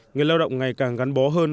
người lao động ngày càng gắn bó hơn